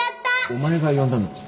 お前が呼んだのか？